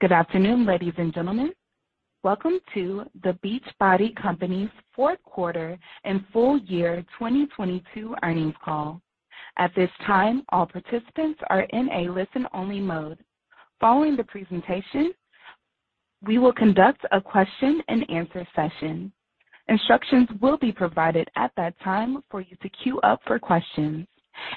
Good afternoon, ladies and gentlemen. Welcome to The Beachbody Company's fourth quarter and full year 2022 earnings call. At this time, all participants are in a listen-only mode. Following the presentation, we will conduct a question-and-answer session. Instructions will be provided at that time for you to queue up for questions.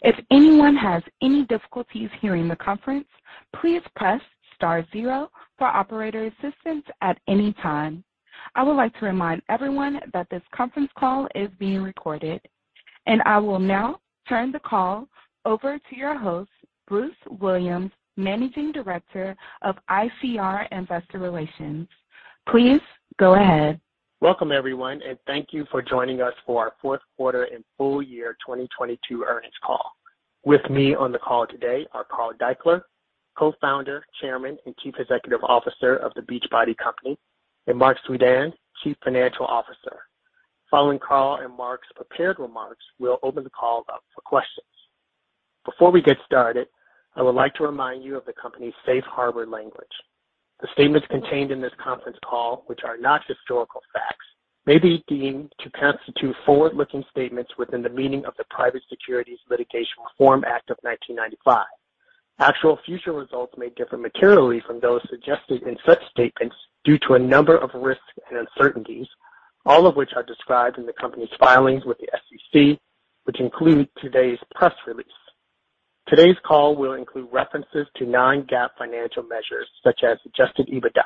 If anyone has any difficulties hearing the conference, please press star zero for operator assistance at any time. I would like to remind everyone that this conference call is being recorded. I will now turn the call over to your host, Bruce Williams, Managing Director of ICR Investor Relations. Please go ahead. Welcome, everyone, and thank you for joining us for our fourth quarter and full year 2022 earnings call. With me on the call today are Carl Daikeler, Co-founder, Chairman, and Chief Executive Officer of The Beachbody Company, and Marc Suidan, Chief Financial Officer. Following Carl and Marc's prepared remarks, we'll open the call up for questions. Before we get started, I would like to remind you of the company's safe harbor language. The statements contained in this conference call, which are not historical facts, may be deemed to constitute forward-looking statements within the meaning of the Private Securities Litigation Reform Act of 1995. Actual future results may differ materially from those suggested in such statements due to a number of risks and uncertainties, all of which are described in the company's filings with the SEC, which include today's press release. Today's call will include references to non-GAAP financial measures, such as Adjusted EBITDA.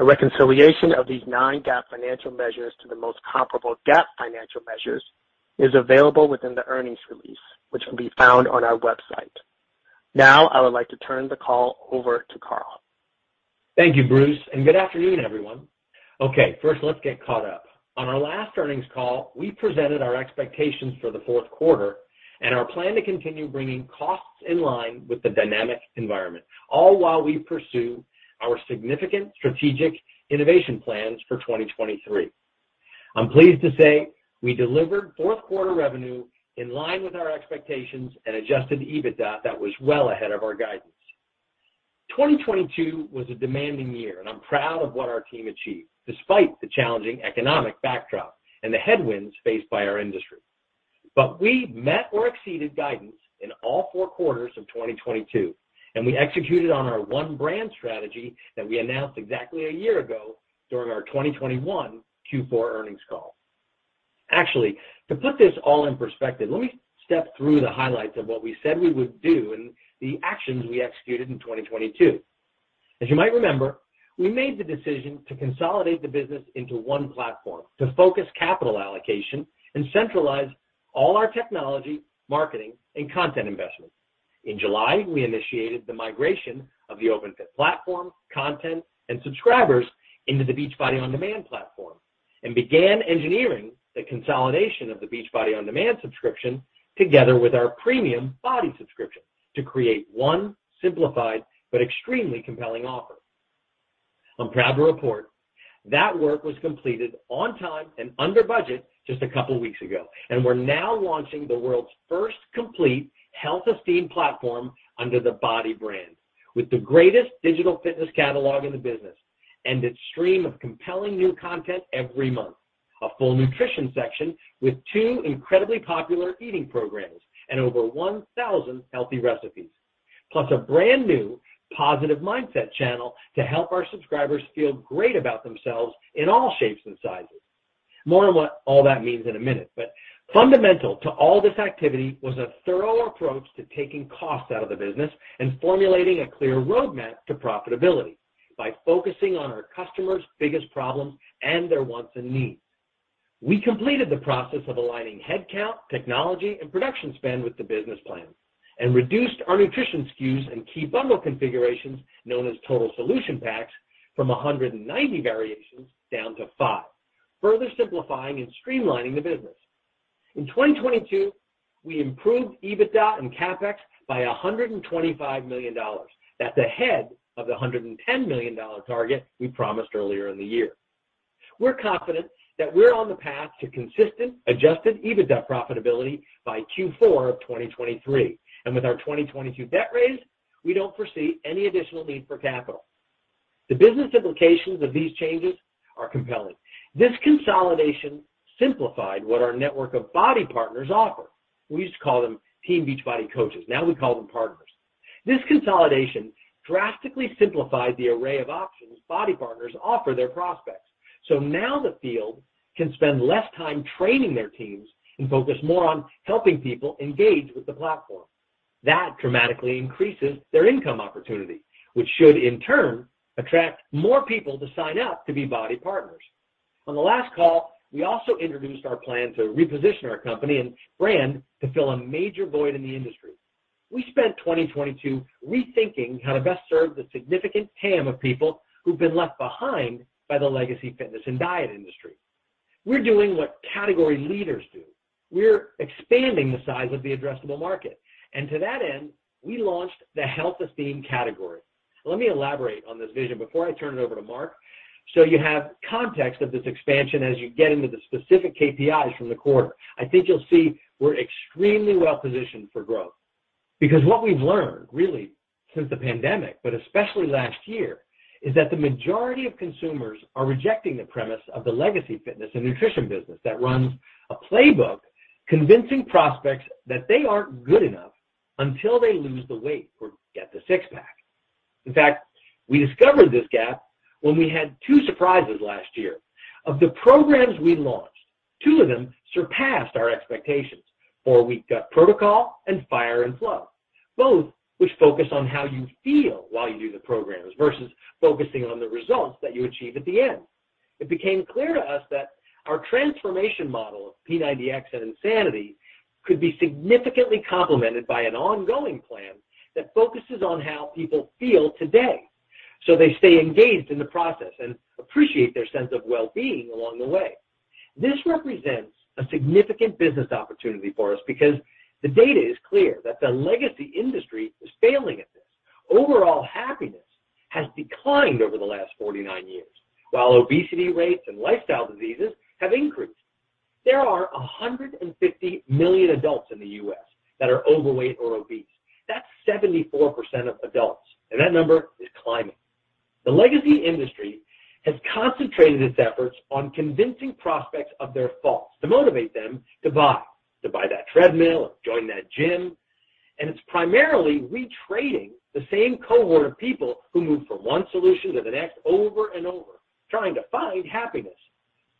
A reconciliation of these non-GAAP financial measures to the most comparable GAAP financial measures is available within the earnings release, which can be found on our website. Now, I would like to turn the call over to Carl. Thank you, Bruce. Good afternoon, everyone. Okay. First, let's get caught up. On our last earnings call, we presented our expectations for the fourth quarter and our plan to continue bringing costs in line with the dynamic environment, all while we pursue our significant strategic innovation plans for 2023. I'm pleased to say we delivered fourth quarter revenue in line with our expectations and Adjusted EBITDA that was well ahead of our guidance. 2022 was a demanding year, and I'm proud of what our team achieved despite the challenging economic backdrop and the headwinds faced by our industry. We met or exceeded guidance in all four quarters of 2022. We executed on our One Brand Strategy that we announced exactly a year ago during our 2021 Q4 earnings call. To put this all in perspective, let me step through the highlights of what we said we would do and the actions we executed in 2022. As you might remember, we made the decision to consolidate the business into one platform to focus capital allocation and centralize all our technology, marketing, and content investments. In July, we initiated the migration of the Openfit platform, content, and subscribers into the Beachbody On Demand platform and began engineering the consolidation of the Beachbody On Demand subscription together with our premium BODi subscription to create one simplified but extremely compelling offer. I'm proud to report that work was completed on time and under budget just a couple weeks ago. We're now launching the world's first complete Health Esteem platform under the BODi brand with the greatest digital fitness catalog in the business and its stream of compelling new content every month, a full nutrition section with two incredibly popular eating programs and over 1,000 healthy recipes, plus a brand-new positive mindset channel to help our subscribers feel great about themselves in all shapes and sizes. More on what all that means in a minute. Fundamental to all this activity was a thorough approach to taking costs out of the business and formulating a clear roadmap to profitability by focusing on our customers' biggest problems and their wants and needs. We completed the process of aligning headcount, technology, and production spend with the business plan and reduced our nutrition SKUs and key bundle configurations, known as Total-Solution Packs, from 190 variations down to five, further simplifying and streamlining the business. In 2022, we improved EBITDA and CapEx by $125 million. That's ahead of the $110 million target we promised earlier in the year. We're confident that we're on the path to consistent Adjusted EBITDA profitability by Q4 of 2023. With our 2022 debt raise, we don't foresee any additional need for capital. The business implications of these changes are compelling. This consolidation simplified what our network of BODi Partners offer. We used to call them Team Beachbody coaches. Now we call them partners. This consolidation drastically simplified the array of options BODi Partners offer their prospects. Now the field can spend less time training their teams and focus more on helping people engage with the platform. That dramatically increases their income opportunity, which should in turn attract more people to sign up to be BODi Partners. On the last call, we also introduced our plan to reposition our company and brand to fill a major void in the industry. We spent 2022 rethinking how to best serve the significant TAM of people who've been left behind by the legacy fitness and diet industry. We're doing what category leaders do. We're expanding the size of the addressable market. To that end, we launched the Health Esteem category. Let me elaborate on this vision before I turn it over to Marc. You have context of this expansion as you get into the specific KPIs from the quarter. I think you'll see we're extremely well-positioned for growth. What we've learned really since the pandemic, but especially last year, is that the majority of consumers are rejecting the premise of the legacy fitness and nutrition business that runs a playbook convincing prospects that they aren't good enough until they lose the weight or get the six-pack. In fact, we discovered this gap when we had two surprises last year. Of the programs we launched, two of them surpassed our expectations: The 4 Week Gut Protocol and Fire and Flow, both which focus on how you feel while you do the programs versus focusing on the results that you achieve at the end. It became clear to us that our transformation model of P90X and Insanity could be significantly complemented by an ongoing plan that focuses on how people feel today, so they stay engaged in the process and appreciate their sense of well-being along the way. This represents a significant business opportunity for us because the data is clear that the legacy industry is failing at this. Overall happiness has declined over the last 49 years, while obesity rates and lifestyle diseases have increased. There are 150 million adults in the U.S. that are overweight or obese. That's 74% of adults, and that number is climbing. The legacy industry has concentrated its efforts on convincing prospects of their faults to motivate them to buy, to buy that treadmill or join that gym, and it's primarily retraining the same cohort of people who move from one solution to the next over and over, trying to find happiness.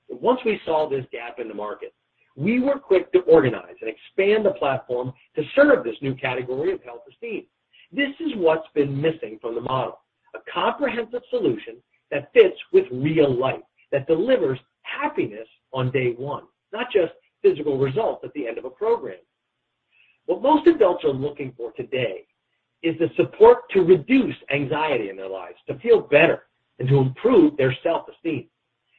Once we saw this gap in the market, we were quick to organize and expand the platform to serve this new category of Health Esteem. This is what's been missing from the model, a comprehensive solution that fits with real life, that delivers happiness on day one, not just physical results at the end of a program. What most adults are looking for today is the support to reduce anxiety in their lives, to feel better and to improve their self-esteem.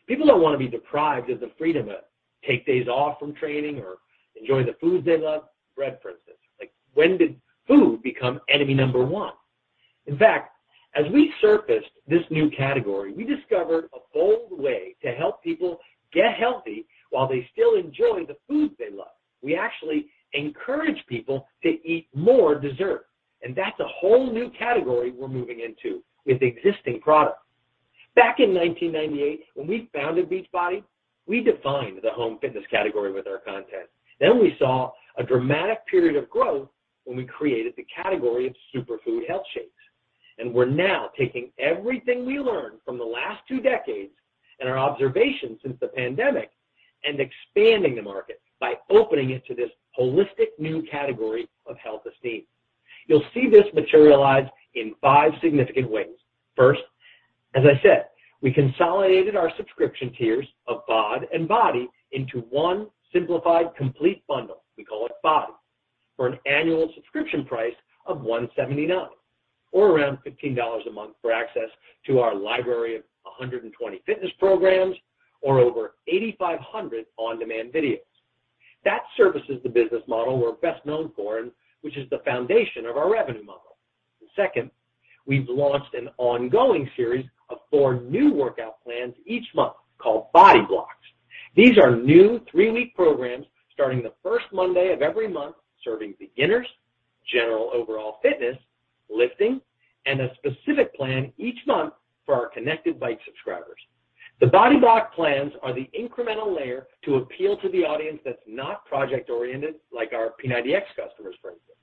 People don't wanna be deprived of the freedom of take days off from training or enjoy the foods they love, bread, for instance. Like, when did food become enemy number one? In fact, as we surfaced this new category, we discovered a bold way to help people get healthy while they still enjoy the foods they love. We actually encourage people to eat more dessert, and that's a whole new category we're moving into with existing products. Back in 1998, when we founded Beachbody, we defined the home fitness category with our content. We saw a dramatic period of growth when we created the category of Superfood Health shakes. We're now taking everything we learned from the last two decades and our observations since the pandemic and expanding the market by opening it to this holistic new category of Health Esteem. You'll see this materialize in five significant ways. First, as I said, we consolidated our subscription tiers of BOD and BODi into one simplified complete bundle, we call it BODi, for an annual subscription price of $179 or around $15 a month for access to our library of 120 fitness programs or over 8,500 on-demand videos. That services the business model we're best known for and which is the foundation of our revenue model. Second, we've launched an ongoing series of four new workout plans each month called BODi Blocks. These are new three-week programs starting the first Monday of every month, serving beginners, general overall fitness, lifting, and a specific plan each month for our Connected Bike subscribers. The BODi Block plans are the incremental layer to appeal to the audience that's not project-oriented, like our P90X customers, for instance,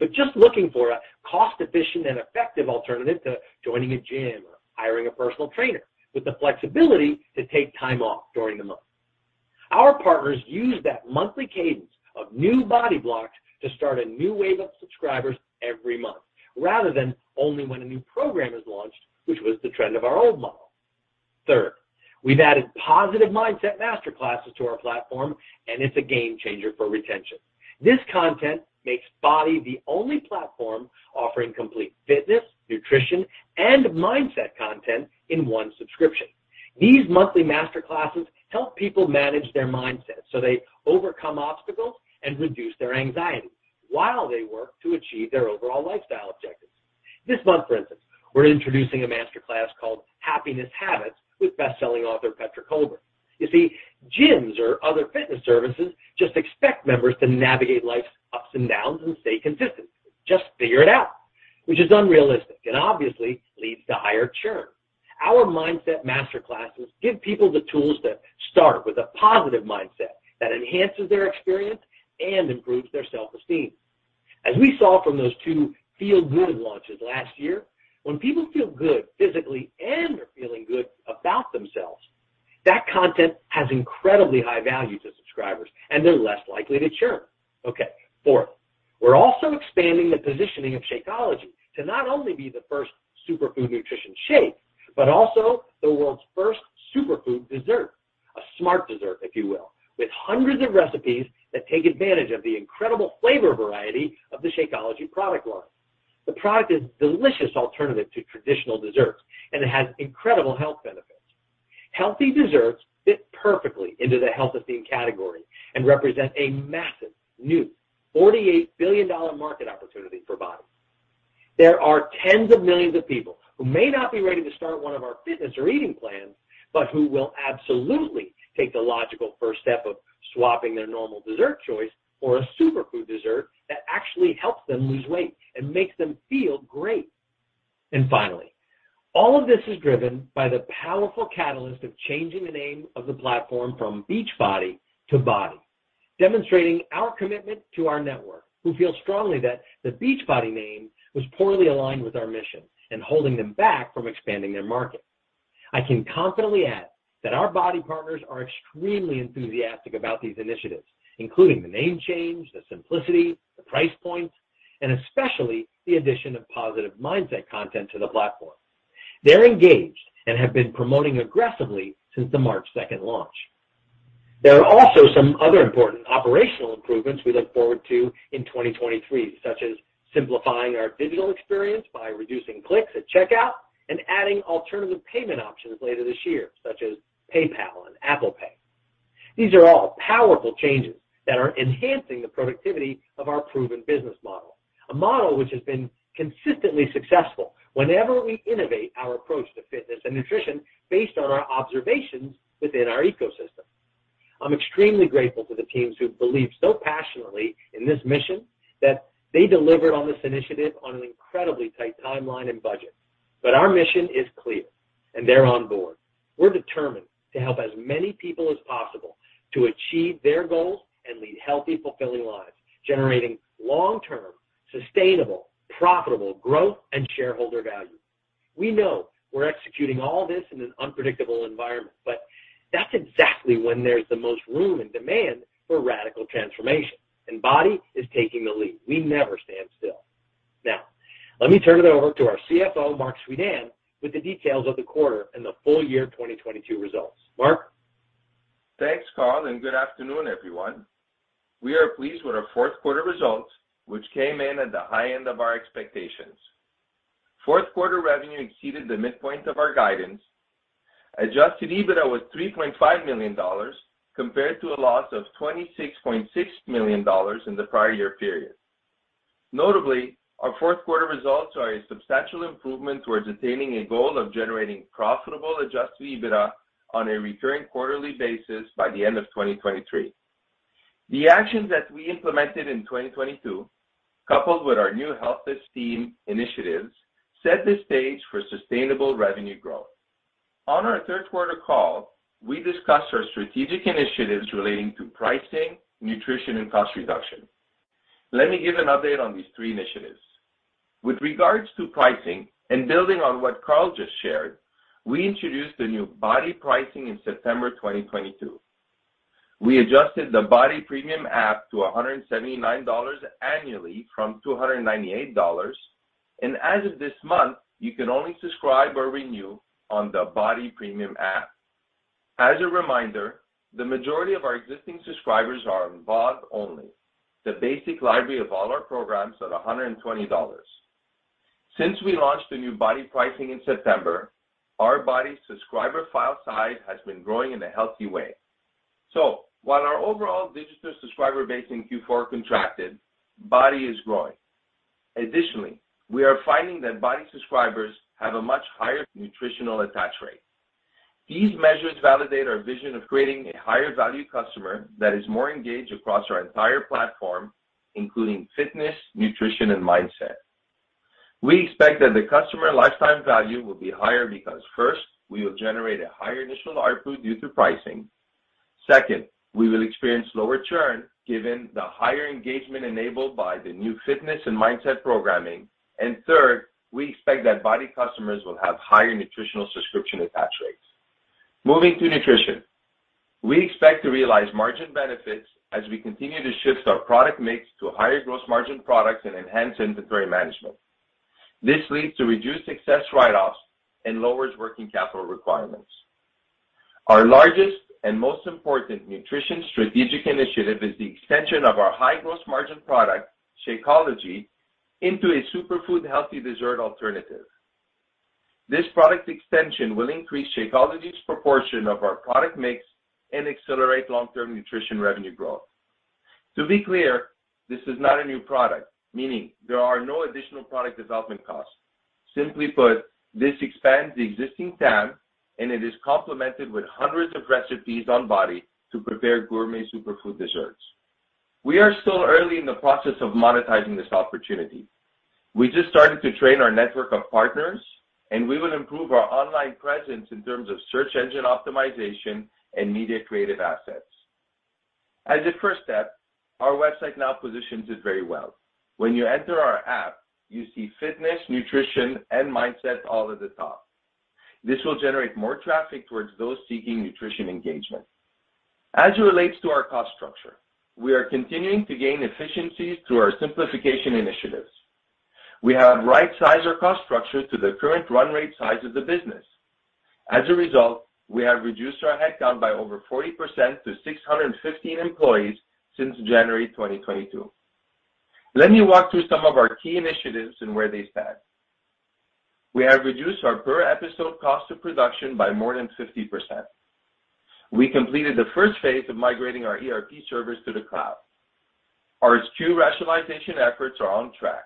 but just looking for a cost-efficient and effective alternative to joining a gym or hiring a personal trainer with the flexibility to take time off during the month. Our partners use that monthly cadence of new BODi Blocks to start a new wave of subscribers every month rather than only when a new program is launched, which was the trend of our old model. Third, we've added positive mindset master classes to our platform, and it's a game-changer for retention. This content makes BODi the only platform offering complete fitness, nutrition, and mindset content in one subscription. These monthly master classes help people manage their mindset, so they overcome obstacles and reduce their anxiety while they work to achieve their overall lifestyle objectives. This month, for instance, we're introducing a master class called Happiness Habits with best-selling author Petra Kolber. You see, gyms or other fitness services just expect members to navigate life's ups and downs and stay consistent, just figure it out, which is unrealistic and obviously leads to higher churn. Our mindset master classes give people the tools to start with a positive mindset that enhances their experience and improves their self-esteem. As we saw from those two feel-good launches last year, when people feel good physically and are feeling good about themselves, that content has incredibly high value to subscribers, and they're less likely to churn. Okay, fourth, we're also expanding the positioning of Shakeology to not only be the first superfood nutrition shake, but also the world's first superfood dessert, a smart dessert, if you will, with hundreds of recipes that take advantage of the incredible flavor variety of the Shakeology product line. The product is delicious alternative to traditional desserts, and it has incredible health benefits. Healthy desserts fit perfectly into the Health Esteem category and represent a massive new $48 billion market opportunity for BODi. There are tens of millions of people who may not be ready to start one of our fitness or eating plans, but who will absolutely take the logical first step of swapping their normal dessert choice for a superfood dessert that actually helps them lose weight and makes them feel great. Finally, all of this is driven by the powerful catalyst of changing the name of the platform from Beachbody to BODi, demonstrating our commitment to our network, who feel strongly that the Beachbody name was poorly aligned with our mission and holding them back from expanding their market. I can confidently add that our BODi Partners are extremely enthusiastic about these initiatives, including the name change, the simplicity, the price points, and especially the addition of positive mindset content to the platform. They're engaged and have been promoting aggressively since the March 2 launch. There are also some other important operational improvements we look forward to in 2023, such as simplifying our digital experience by reducing clicks at checkout and adding alternative payment options later this year, such as PayPal and Apple Pay. These are all powerful changes that are enhancing the productivity of our proven business model, a model which has been consistently successful whenever we innovate our approach to fitness and nutrition based on our observations within our ecosystem. I'm extremely grateful to the teams who believe so passionately in this mission that they delivered on this initiative on an incredibly tight timeline and budget. Our mission is clear, and they're on board. We're determined to help as many people as possible to achieve their goals and lead healthy, fulfilling lives, generating long-term, sustainable, profitable growth and shareholder value. We know we're executing all this in an unpredictable environment, but that's exactly when there's the most room and demand for radical transformation, and BODi is taking the lead. We never stand still. Let me turn it over to our CFO, Marc Suidan, with the details of the quarter and the full year 2022 results. Marc? Thanks, Carl. Good afternoon, everyone. We are pleased with our fourth quarter results, which came in at the high end of our expectations. Fourth quarter revenue exceeded the midpoint of our guidance. Adjusted EBITDA was $3.5 million compared to a loss of $26.6 million in the prior year period. Notably, our fourth quarter results are a substantial improvement towards attaining a goal of generating profitable Adjusted EBITDA on a recurring quarterly basis by the end of 2023. The actions that we implemented in 2022, coupled with our new Health Esteem initiatives, set the stage for sustainable revenue growth. On our third quarter call, we discussed our strategic initiatives relating to pricing, nutrition, and cost reduction. Let me give an update on these three initiatives. With regards to pricing and building on what Carl just shared, we introduced the new BODi pricing in September 2022. We adjusted the BODi Premium app to $179 annually from $298, and as of this month, you can only subscribe or renew on the BODi Premium app. As a reminder, the majority of our existing subscribers are on BOD only, the basic library of all our programs at $120. Since we launched the new BODi pricing in September, our BODi subscriber file size has been growing in a healthy way. While our overall digital subscriber base in Q4 contracted, BODi is growing. Additionally, we are finding that BODi subscribers have a much higher nutritional attach rate. These measures validate our vision of creating a higher value customer that is more engaged across our entire platform, including fitness, nutrition, and mindset. We expect that the customer lifetime value will be higher because first, we will generate a higher initial As it first steps, our website now positions it very well. When you enter our app, you see fitness, nutrition, and mindset all at the top. This will generate more traffic towards those seeking nutrition engagement. As it relates to our cost structure, we are continuing to gain efficiencies through our simplification initiatives. We have right-sized our cost structure to the current run rate size of the business. As a result, we have reduced our headcount by over 40% to 615 employees since January 2022. Let me walk through some of our key initiatives and where they stand. We have reduced our per episode cost of production by more than 50%. We completed the first phase of migrating our ERP servers to the cloud. Our SKU rationalization efforts are on track.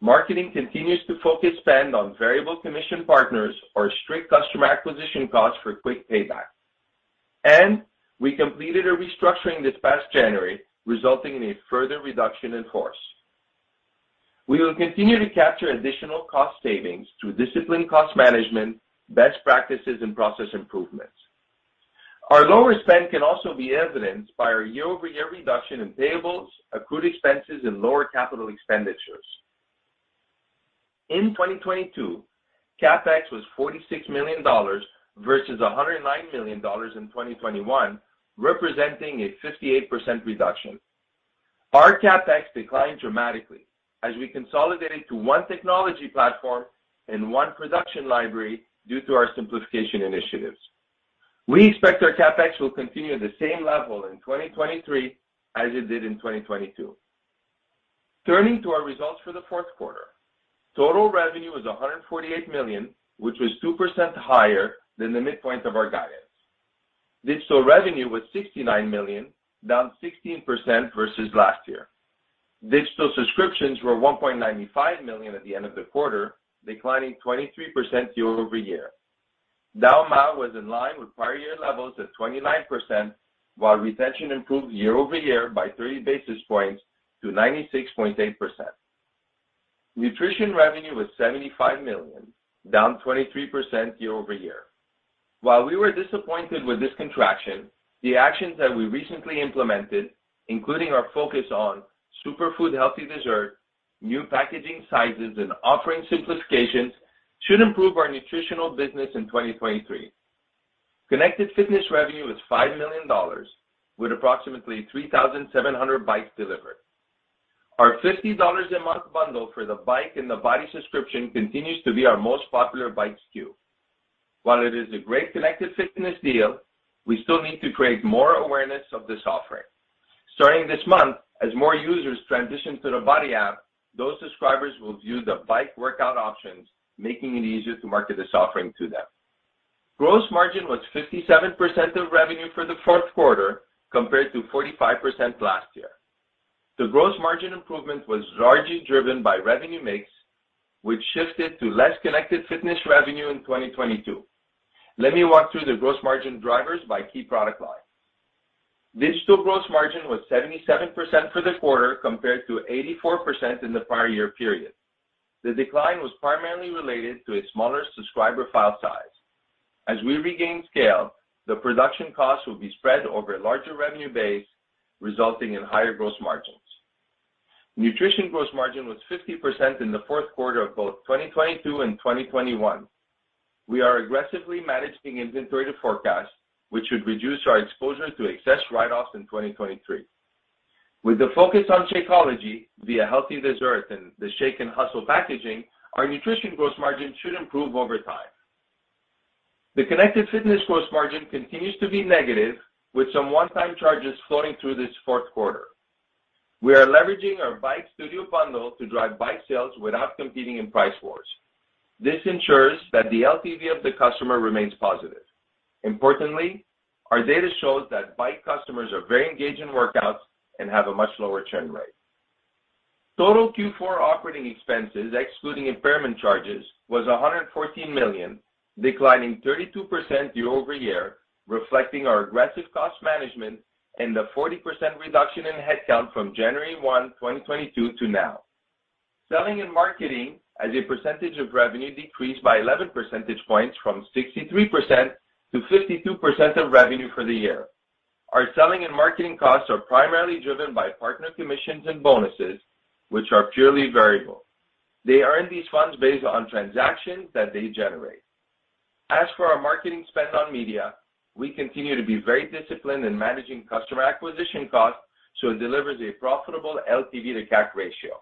Marketing continues to focus spend on variable commission partners or strict customer acquisition costs for quick payback. We completed a restructuring this past January, resulting in a further reduction in force. We will continue to capture additional cost savings through disciplined cost management, best practices, and process improvements. Our lower spend can also be evidenced by our year-over-year reduction in payables, accrued expenses and lower capital expenditures. In 2022, CapEx was $46 million versus $109 million in 2021, representing a 58% reduction. Our CapEx declined dramatically as we consolidated to one technology platform and one production library due to our simplification initiatives. We expect our CapEx will continue at the same level in 2023 as it did in 2022. Turning to our results for the fourth quarter. Total revenue was $148 million, which was 2% higher than the midpoint of our guidance. Digital revenue was $69 million, down 16% versus last year. Digital subscriptions were 1.95 million at the end of the quarter, declining 23% year-over-year. Churn was in line with prior year levels at 29%, while retention improved year-over-year by 30 basis points to 96.8%. Nutrition revenue was $75 million, down 23% year-over-year. While we were disappointed with this contraction, the actions that we recently implemented, including our focus on superfood healthy dessert, new packaging sizes and offering simplifications should improve our nutritional business in 2023. Connected fitness revenue was $5 million with approximately 3,700 bikes delivered. Our $50 a month bundle for the bike and the BODi subscription continues to be our most popular bike SKU. While it is a great connected fitness deal, we still need to create more awareness of this offering. Starting this month, as more users transition to the BODi app, those subscribers will view the bike workout options, making it easier to market this offering to them. Gross margin was 57% of revenue for the fourth quarter compared to 45% last year. The gross margin improvement was largely driven by revenue mix, which shifted to less connected fitness revenue in 2022. Let me walk through the gross margin drivers by key product line. Digital gross margin was 77% for the quarter compared to 84% in the prior year period. The decline was primarily related to a smaller subscriber file size. As we regain scale, the production costs will be spread over a larger revenue base, resulting in higher gross margins. Nutrition gross margin was 50% in the fourth quarter of both 2022 and 2021. We are aggressively managing inventory to forecast, which should reduce our exposure to excess write-offs in 2023. With the focus on Shakeology, via healthy dessert and the Shake & Hustle packaging, our nutrition gross margin should improve over time. The connected fitness gross margin continues to be negative, with some one-time charges flowing through this fourth quarter. We are leveraging our bike studio bundle to drive bike sales without competing in price wars. This ensures that the LTV of the customer remains positive. Importantly, our data shows that bike customers are very engaged in workouts and have a much lower churn rate. Total Q4 operating expenses excluding impairment charges was $114 million, declining 32% year-over-year, reflecting our aggressive cost management and the 40% reduction in headcount from January 1, 2022 to now. Selling and marketing as a percentage of revenue decreased by 11 percentage points from 63% to 52% of revenue for the year. Our selling and marketing costs are primarily driven by partner commissions and bonuses, which are purely variable. They earn these funds based on transactions that they generate. As for our marketing spend on media, we continue to be very disciplined in managing customer acquisition costs so it delivers a profitable LTV to CAC ratio.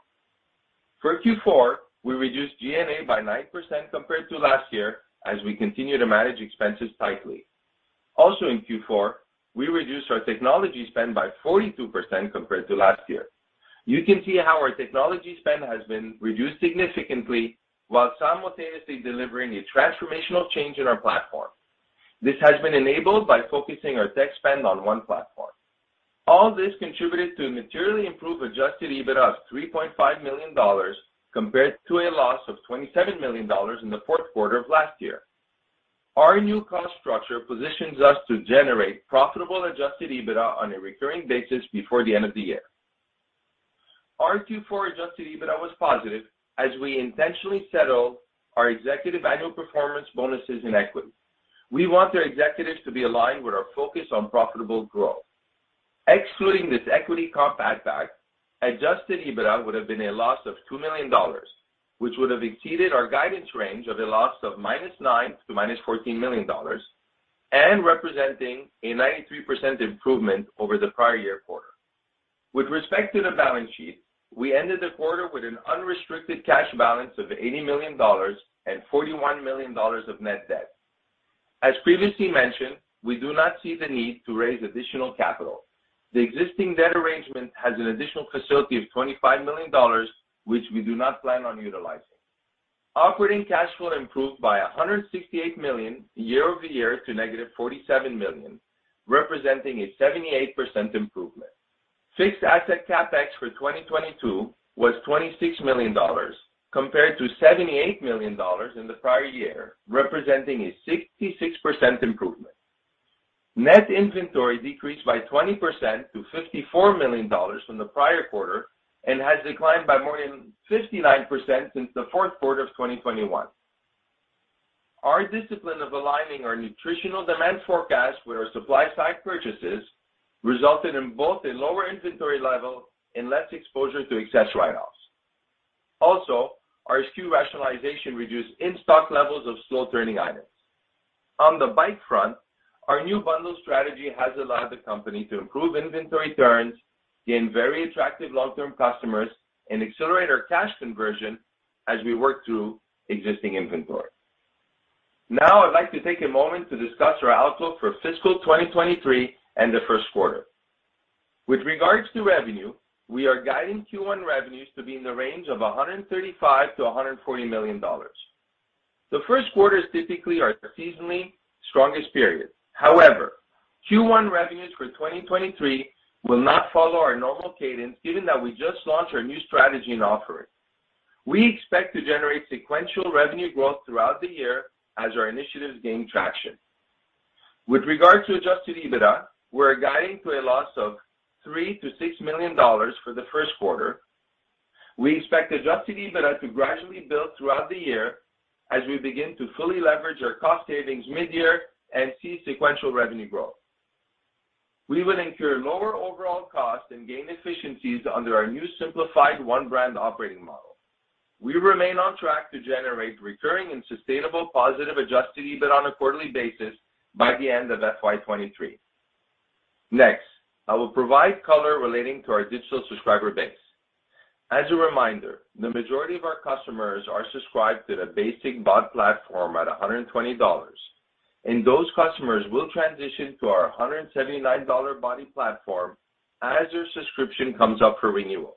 For Q4, we reduced G&A by 9% compared to last year as we continue to manage expenses tightly. In Q4, we reduced our technology spend by 42% compared to last year. You can see how our technology spend has been reduced significantly while simultaneously delivering a transformational change in our platform. This has been enabled by focusing our tech spend on one platform. All this contributed to a materially improved Adjusted EBITDA of $3.5 million compared to a loss of $27 million in the fourth quarter of last year. Our new cost structure positions us to generate profitable Adjusted EBITDA on a recurring basis before the end of the year. Our Q4 Adjusted EBITDA was positive as we intentionally settled our executive annual performance bonuses in equity. We want our executives to be aligned with our focus on profitable growth. Excluding this equity comp add back, Adjusted EBITDA would have been a loss of $2 million, which would have exceeded our guidance range of a loss of -$9 million to -$14 million and representing a 93% improvement over the prior year quarter. With respect to the balance sheet, we ended the quarter with an unrestricted cash balance of $80 million and $41 million of net debt. As previously mentioned, we do not see the need to raise additional capital. The existing debt arrangement has an additional facility of $25 million, which we do not plan on utilizing. Operating cash flow improved by $168 million year-over-year to -$47 million, representing a 78% improvement. Fixed asset CapEx for 2022 was $26 million compared to $78 million in the prior year, representing a 66% improvement. Net inventory decreased by 20% to $54 million from the prior quarter and has declined by more than 59% since the fourth quarter of 2021. Our discipline of aligning our nutritional demand forecast with our supply-side purchases resulted in both a lower inventory level and less exposure to excess write-offs. Our SKU rationalization reduced in-stock levels of slow-turning items. On the bike front, our new bundle strategy has allowed the company to improve inventory turns, gain very attractive long-term customers, and accelerate our cash conversion as we work through existing inventory. Now, I'd like to take a moment to discuss our outlook for fiscal 2023 and the first quarter. With regards to revenue, we are guiding Q1 revenues to be in the range of $135 million-$140 million. The first quarter is typically our seasonally strongest period. However, Q1 revenues for 2023 will not follow our normal cadence, given that we just launched our new strategy in offering. We expect to generate sequential revenue growth throughout the year as our initiatives gain traction. With regard to Adjusted EBITDA, we're guiding to a loss of $3 million-$6 million for the first quarter. We expect Adjusted EBITDA to gradually build throughout the year as we begin to fully leverage our cost savings mid-year and see sequential revenue growth. We will incur lower overall costs and gain efficiencies under our new simplified One Brand operating model. We remain on track to generate recurring and sustainable positive Adjusted EBITDA on a quarterly basis by the end of FY 2023. Next, I will provide color relating to our digital subscriber base. As a reminder, the majority of our customers are subscribed to the basic BOD platform at $120, and those customers will transition to our $179 BODi platform as their subscription comes up for renewal.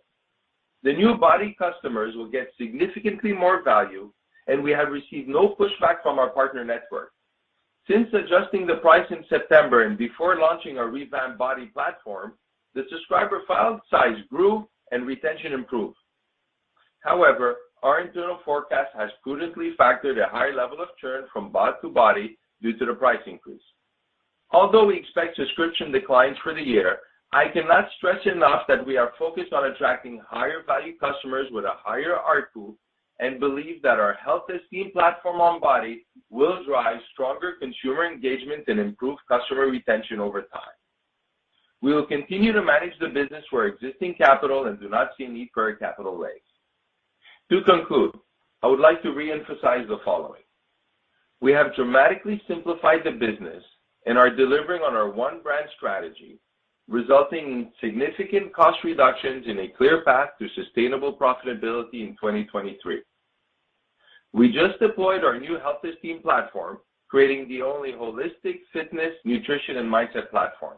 The new BODi customers will get significantly more value, and we have received no pushback from our partner network. Since adjusting the price in September and before launching our revamped BODi platform, the subscriber file size grew and retention improved. However, our internal forecast has prudently factored a high level of churn from BOD to BODi due to the price increase. Although we expect subscription declines for the year, I cannot stress enough that we are focused on attracting higher-value customers with a higher ARPU and believe that our Health Esteem platform on BODi will drive stronger consumer engagement and improve customer retention over time. We will continue to manage the business for existing capital and do not see a need for a capital raise. To conclude, I would like to reemphasize the following. We have dramatically simplified the business and are delivering on our One Brand strategy, resulting in significant cost reductions and a clear path to sustainable profitability in 2023. We just deployed our new Health Esteem platform, creating the only holistic fitness, nutrition, and mindset platform.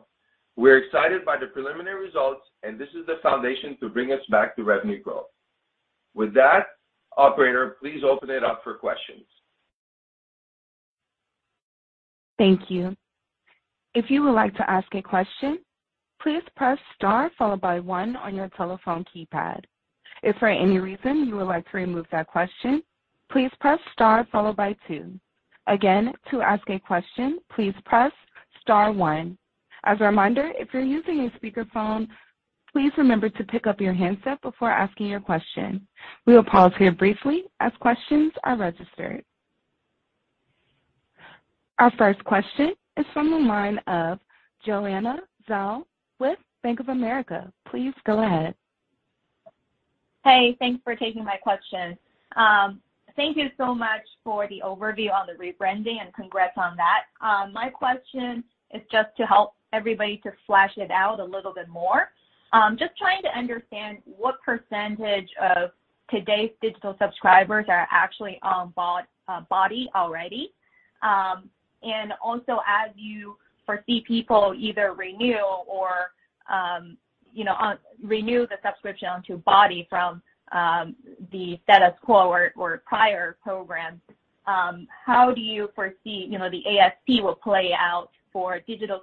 We're excited by the preliminary results, and this is the foundation to bring us back to revenue growth. With that, operator, please open it up for questions. Thank you. If you would like to ask a question, please press star followed by one on your telephone keypad. If for any reason you would like to remove that question, please press star followed by two. Again, to ask a question, please press star one. As a reminder, if you're using a speakerphone, please remember to pick up your handset before asking your question. We will pause here briefly as questions are registered. Our first question is from the line of Joanna Zhao with Bank of America. Please go ahead. Hey, thanks for taking my question. Thank you so much for the overview on the rebranding, and congrats on that. My question is just to help everybody to flesh it out a little bit more. Just trying to understand what percentage of today's digital subscribers are actually on BODi already. And also, as you foresee people either renew or, you know, renew the subscription to BODi from the status quo or prior programs, how do you foresee, you know, the ASP will play out for digital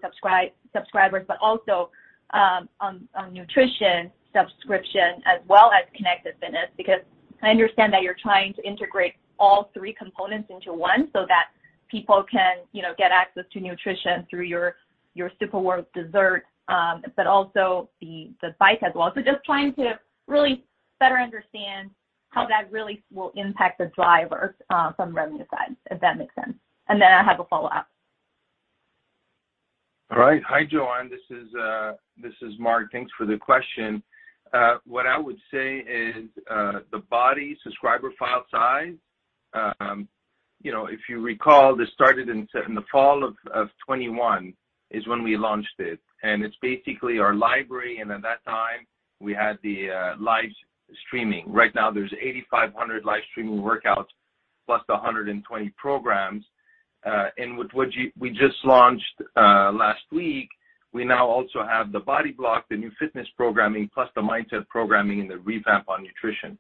subscribers, but also on nutrition subscription as well as connected fitness? Because I understand that you're trying to integrate all three components into one so that people can, you know, get access to nutrition through your Superfoods dessert, but also the bike as well. Just trying to really better understand how that really will impact the driver, from revenue side, if that makes sense? I have a follow-up. All right. Hi, Joanna. This is Marc. Thanks for the question. What I would say is, the BODi subscriber file size, you know, if you recall, this started in the fall of 2021 is when we launched it, and it's basically our library, and at that time, we had the live streaming. Right now, there's 8,500 live streaming workouts plus the 120 programs, and with what we just launched last week, we now also have the BODi Block, the new fitness programming, plus the mindset programming and the revamp on nutrition.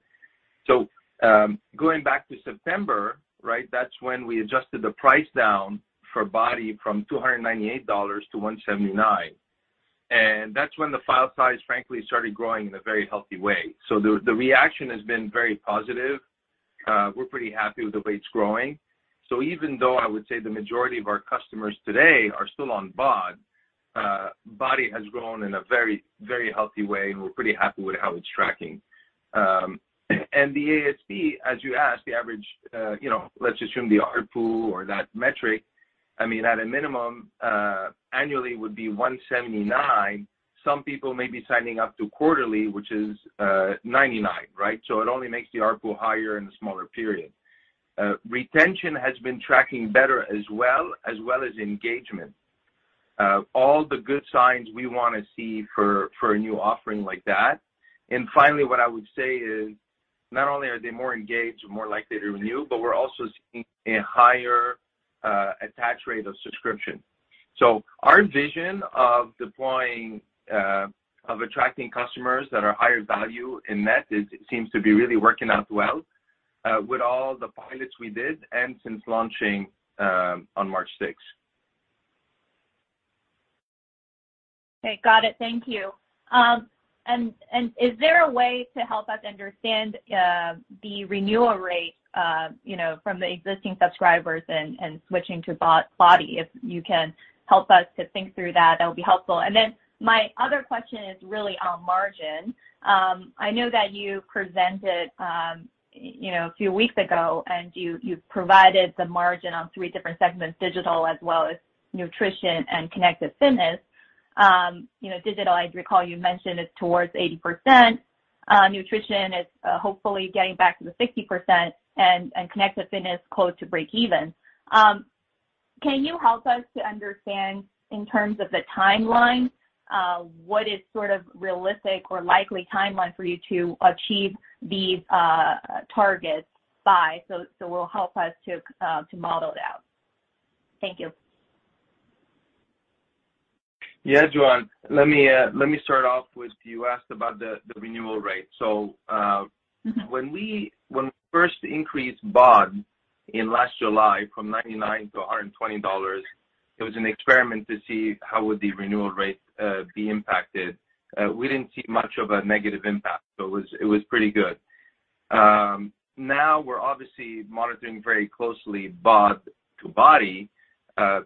Going back to September, right? That's when we adjusted the price down for BODi from $298-$179. That's when the file size, frankly, started growing in a very healthy way. The reaction has been very positive. We're pretty happy with the way it's growing. Even though I would say the majority of our customers today are still on BOD, BODi has grown in a very, very healthy way, and we're pretty happy with how it's tracking. The ASP, as you asked, the average, you know, let's assume the ARPU or that metric, I mean, at a minimum, annually would be $179. Some people may be signing up to quarterly, which is $99, right? It only makes the ARPU higher in a smaller period. Retention has been tracking better as well, as well as engagement. All the good signs we wanna see for a new offering like that. Finally, what I would say is, not only are they more engaged and more likely to renew, but we're also seeing a higher attach rate of subscription. Our vision of deploying of attracting customers that are higher value in net seems to be really working out well with all the pilots we did and since launching on March sixth. Okay, got it. Thank you. Is there a way to help us understand the renewal rate, you know, from the existing subscribers and switching to BODi? If you can help us to think through that would be helpful. My other question is really on margin. I know that you presented, you know, a few weeks ago, and you provided the margin on three different segments: digital as well as nutrition and connected fitness. You know, digital, as you recall, you mentioned, is towards 80%. Nutrition is, hopefully getting back to the 60% and connected fitness close to breakeven. Can you help us to understand in terms of the timeline, what is sort of realistic or likely timeline for you to achieve these, targets by, so it will help us to model it out? Thank you. Yeah, Joanna. Let me start off with you asked about the renewal rate. Mm-hmm when we first increased BOD in last July from $99-$120, it was an experiment to see how would the renewal rate be impacted. We didn't see much of a negative impact, it was pretty good. Now we're obviously monitoring very closely BOD to BODi.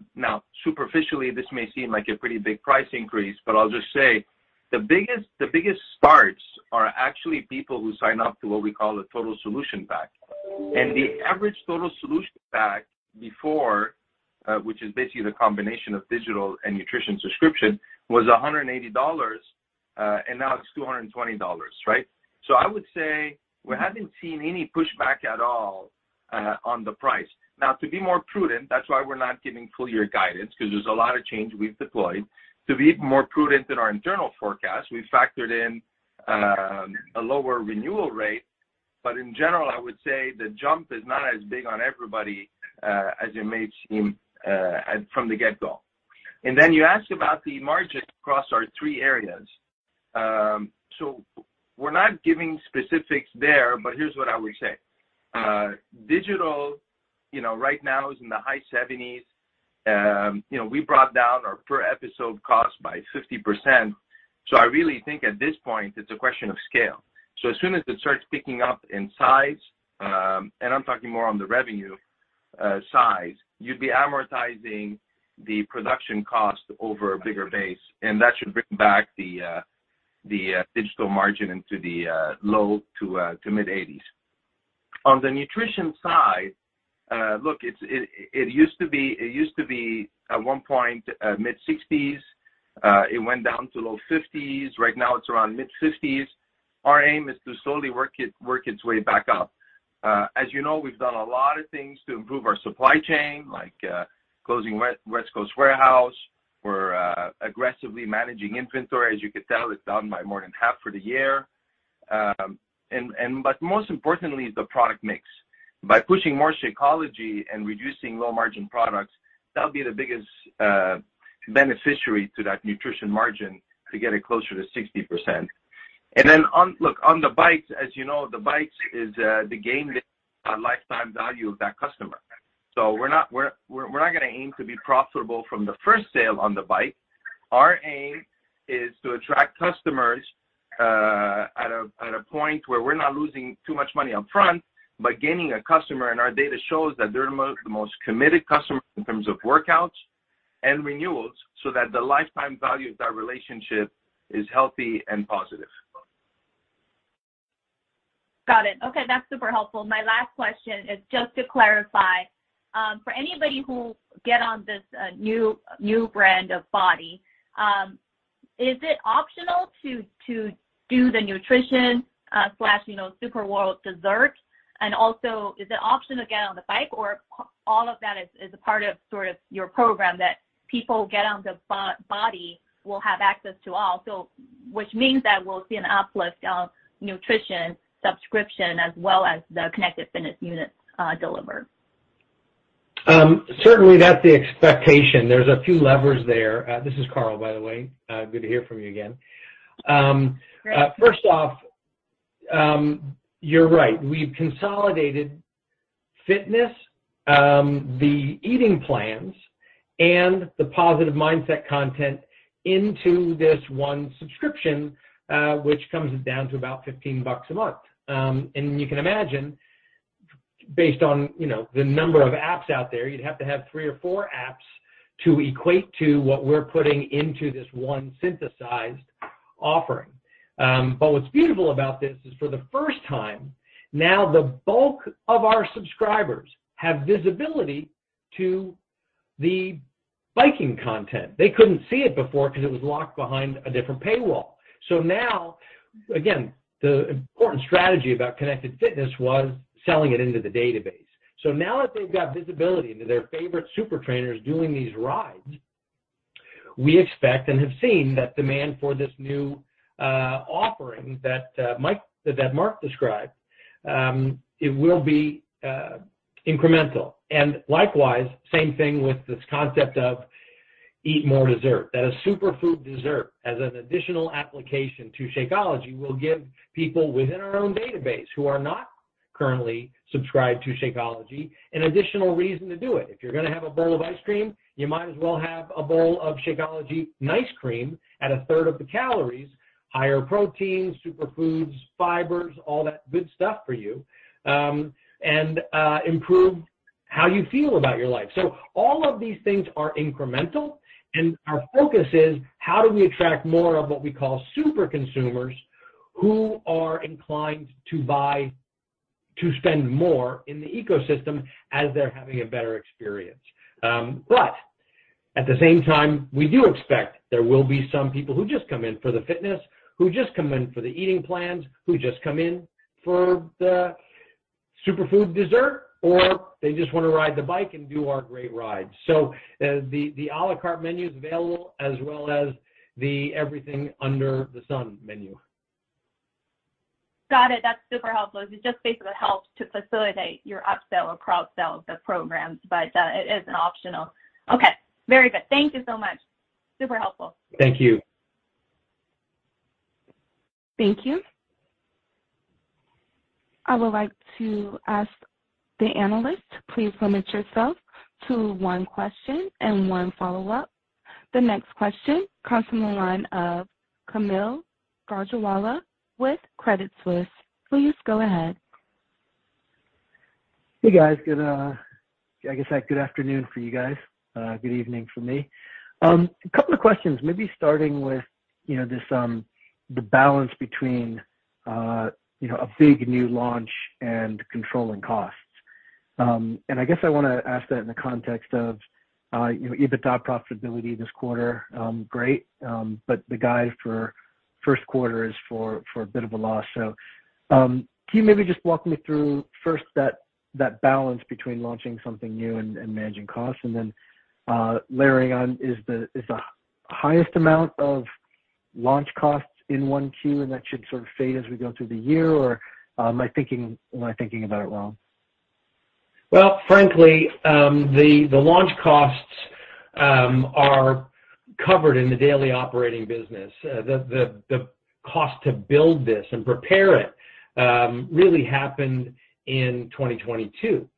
Superficially, this may seem like a pretty big price increase, but I'll just say the biggest starts are actually people who sign up to what we call a Total-Solution Pack. The average Total-Solution Pack before, which is basically the combination of digital and nutrition subscription, was $180, and now it's $220, right? I would say we haven't seen any pushback at all on the price. To be more prudent, that's why we're not giving full year guidance because there's a lot of change we've deployed. To be even more prudent in our internal forecast, we factored in a lower renewal rate. In general, I would say the jump is not as big on everybody as it may seem from the get-go. You asked about the margin across our three areas. We're not giving specifics there, here's what I would say. Digital, you know, right now is in the high 70s%. You know, we brought down our per episode cost by 50%. I really think at this point, it's a question of scale. As soon as it starts picking up in size, and I'm talking more on the revenue size, you'd be amortizing the production cost over a bigger base, and that should bring back the digital margin into the low to mid-80s. On the nutrition side, look, it used to be at one point mid-60s. It went down to low 50s. Right now, it's around mid-50s. Our aim is to slowly work its way back up. As you know, we've done a lot of things to improve our supply chain, like closing West Coast warehouse. We're aggressively managing inventory. As you could tell, it's down by more than half for the year. Most importantly is the product mix. By pushing more Shakeology and reducing low-margin products, that'll be the biggest beneficiary to that nutrition margin to get it closer to 60%. Look, on the bikes, as you know, the bikes is the game on lifetime value of that customer. We're not, we're not gonna aim to be profitable from the first sale on the bike. Our aim is to attract customers at a point where we're not losing too much money up front, but gaining a customer, and our data shows that they're the most committed customer in terms of workouts and renewals so that the lifetime value of that relationship is healthy and positive. Got it. Okay, that's super helpful. My last question is just to clarify, for anybody who get on this new brand of BODi, is it optional to do the nutrition, slash, you know, Superfood Health shakes? Also is the option to get on the bike or all of that is a part of sort of your program that people get on the BODi will have access to all? Which means that we'll see an uplift of nutrition subscription as well as the Connected Fitness units delivered. Certainly that's the expectation. There's a few levers there. This is Carl, by the way. Good to hear from you again. First off, you're right. We've consolidated fitness, the eating plans and the positive mindset content into this one subscription, which comes down to about $15 a month. You can imagine, based on, you know, the number of apps out there, you'd have to have three or four apps to equate to what we're putting into this one synthesized offering. What's beautiful about this is for the first time now the bulk of our subscribers have visibility to the biking content. They couldn't see it before because it was locked behind a different paywall. Now, again, the important strategy about Connected Fitness was selling it into the database. Now that they've got visibility into their favorite super trainers doing these rides, we expect and have seen that demand for this new offering that Marc described, it will be incremental and likewise same thing with this concept of Eat More Dessert. A superfood dessert as an additional application to Shakeology will give people within our own database who are not currently subscribed to Shakeology an additional reason to do it. If you're gonna have a bowl of ice cream, you might as well have a bowl of Shakeology nice cream at a third of the calories, higher protein, superfoods, fibers, all that good stuff for you, and improve how you feel about your life. All of these things are incremental and our focus is how do we attract more of what we call super consumers who are inclined to buy, to spend more in the ecosystem as they're having a better experience. At the same time, we do expect there will be some people who just come in for the fitness, who just come in for the eating plans, who just come in for the superfood dessert, or they just wanna ride the bike and do our great rides. The, the à la carte menu is available as well as the everything under the sun menu. Got it. That's super helpful. It just basically helps to facilitate your upsell or cross-sell the programs, but it is an optional. Okay, very good. Thank you so much. Super helpful. Thank you. Thank you. I would like to ask the analyst, please limit yourself to one question and one follow-up. The next question comes from the line of Kaumil Gajrawala with Credit Suisse. Please go ahead. Hey, guys. Good, I guess, good afternoon for you guys. Good evening for me. A couple of questions. Maybe starting with, you know, this, the balance between, you know, a big new launch and controlling costs. I guess I wanna ask that in the context of, you know, EBITDA profitability this quarter, great. The guide for first quarter is for a bit of a loss. Can you maybe just walk me through first that balance between launching something new and managing costs? Then, layering on, is the, is the highest amount of launch costs in 1Q, and that should sort of fade as we go through the year? Am I thinking about it wrong? Well, frankly, the launch costs are covered in the daily operating business. The cost to build this and prepare it really happened in 2022.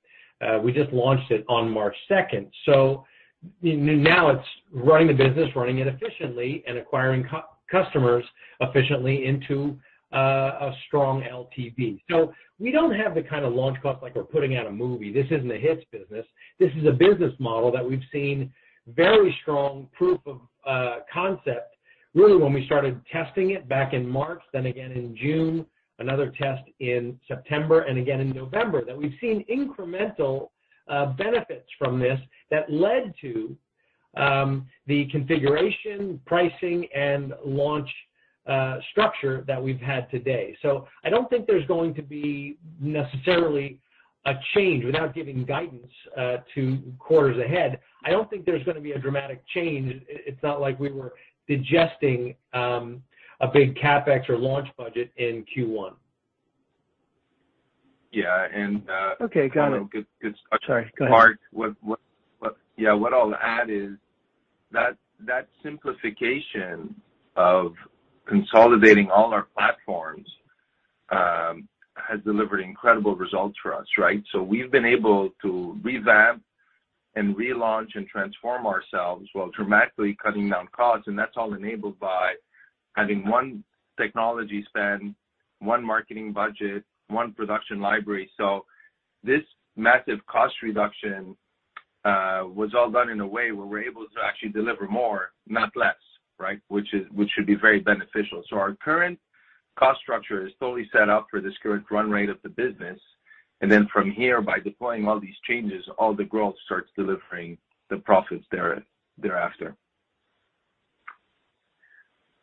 We just launched it on March 2nd. Now it's running the business, running it efficiently and acquiring customers efficiently into a strong LTV. We don't have the kind of launch costs like we're putting out a movie. This isn't a hits business. This is a business model that we've seen very strong proof of concept really when we started testing it back in March, then again in June, another test in September and again in November. We've seen incremental benefits from this that led to the configuration, pricing and launch structure that we've had today. I don't think there's going to be necessarily a change without giving guidance to quarters ahead. I don't think there's gonna be a dramatic change. It's not like we were digesting a big CapEx or launch budget in Q1. Yeah. Okay. Got it. You know, good. I'm sorry. Go ahead. Yeah. What I'll add is that simplification of consolidating all our platforms has delivered incredible results for us, right? We've been able to revamp and relaunch and transform ourselves while dramatically cutting down costs. That's all enabled by having one technology spend, one marketing budget, one production library. This massive cost reduction was all done in a way where we're able to actually deliver more, not less, right? Which should be very beneficial. Our current cost structure is totally set up for this current run rate of the business. From here, by deploying all these changes, all the growth starts delivering the profits thereafter.